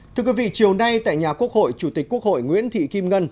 thưa quý vị chiều nay tại nhà quốc hội chủ tịch quốc hội nguyễn thị kim ngân